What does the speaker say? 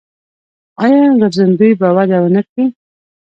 آیا ګرځندوی به وده ونه کړي؟